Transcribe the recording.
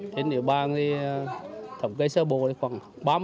thế nếu ba người thẩm kê sơ bồ thì khoảng ba mươi